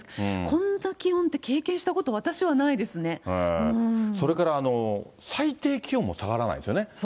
こんな気温って経験したこと、それから最低気温も下がらないですよね。